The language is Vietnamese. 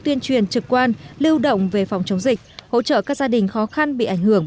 tuyên truyền trực quan lưu động về phòng chống dịch hỗ trợ các gia đình khó khăn bị ảnh hưởng